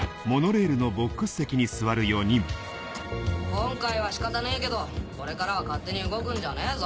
今回は仕方ねえけどこれからは勝手に動くんじゃねえぞ。